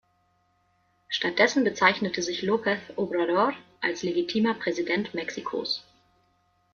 Stattdessen bezeichnete sich López Obrador als legitimer Präsident Mexikos.